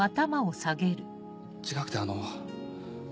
違くてあの。